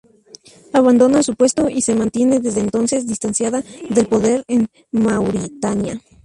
Abandona su puesto, y se mantiene desde entonces distanciada del poder en Mauritania.